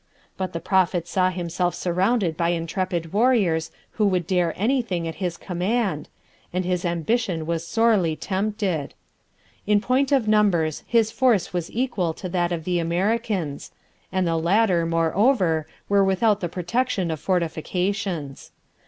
But the Prophet saw himself surrounded by intrepid warriors who would dare anything at his command, and his ambition was sorely tempted. In point of numbers his force was equal to that of the Americans, and the latter, moreover, were without the protection of fortifications.